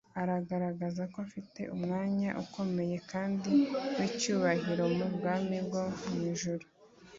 agaragaza ko afite umwanya ukomeye kandi w'icyubahiro mu bwami bwo mw'ijuru